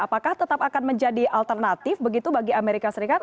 apakah tetap akan menjadi alternatif begitu bagi amerika serikat